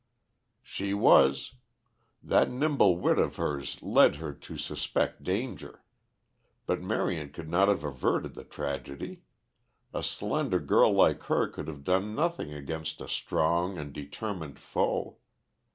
"She was. That nimble wit of hers led her to suspect danger. But Marion could not have averted the tragedy. A slender girl like her could have done nothing against a strong and determined foe.